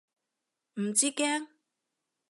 唔知驚？